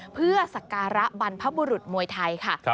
เพื่อสักการะบรรพบุรุษมวยไทยค่ะ